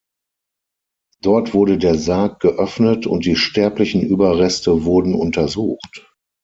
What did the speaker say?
Dort wurde der Sarg geöffnet und die sterblichen Überreste wurden untersucht.